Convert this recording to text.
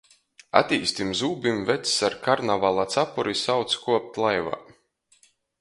Atīztim zūbim vecs ar karnavala capuri sauc kuopt laivā.